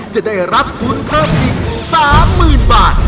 จะได้รับทุนเพิ่มอีก๓๐๐๐บาท